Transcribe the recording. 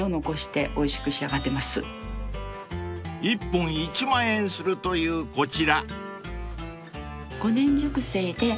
［１本１万円するというこちら］